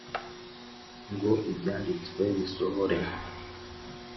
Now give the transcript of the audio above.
ngo Ibyanditswe bisohore